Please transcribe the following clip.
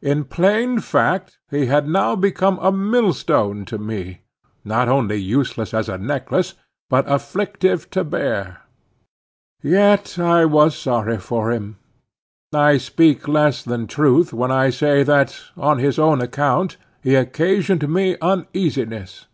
In plain fact, he had now become a millstone to me, not only useless as a necklace, but afflictive to bear. Yet I was sorry for him. I speak less than truth when I say that, on his own account, he occasioned me uneasiness.